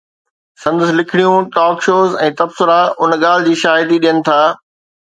سندس لکڻيون، talk shows ۽ تبصرا ان ڳالهه جي شاهدي ڏين ٿا.